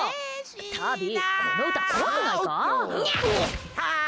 タビ、この歌怖くないか？